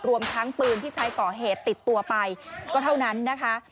รวมทั้งปืนที่ใช้ก่อเหตุติดตัวไปก็เท่านั้นนะคะ